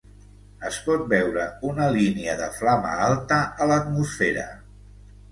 Es pot veure una línia de flama alta a l'atmosfera.